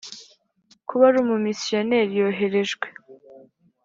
Kuba ari umu misiyoneri yoherejwe